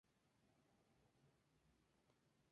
Actualmente solo pasan autobuses hacia Leeds y Harrogate.